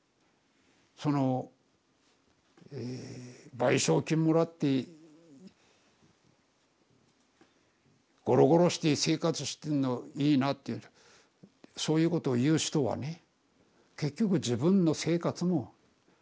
その「賠償金もらってごろごろして生活してんのいいな」ってそういうことを言う人はね結局自分の生活も苦しいんだよ。